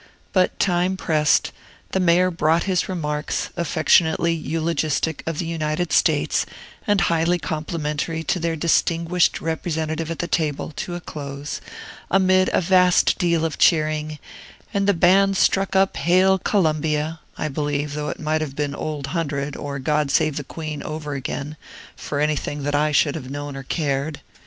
But time pressed; the Mayor brought his remarks, affectionately eulogistic of the United States and highly complimentary to their distinguished representative at that table, to a close, amid a vast deal of cheering; and the band struck up "Hail Columbia," I believe, though it might have been "Old Hundred," or "God save the Queen" over again, for anything that I should have known or cared.